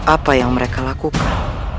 apa yang mereka lakukan